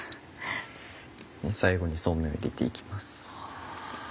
最後にそうめんを入れて行きます。